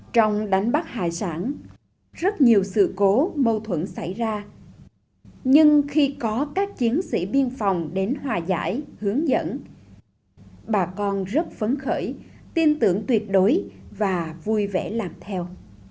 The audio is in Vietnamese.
trong đánh bắt hải sản rất nhiều sự cố mâu thuẫn xảy ra nhưng khi có các chiến sĩ biên phòng đến hòa giải hướng dẫn bà con rất phấn khởi tin tưởng tuyệt đối và vui vẻ làm theo